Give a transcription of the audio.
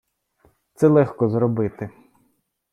Це легко зробити!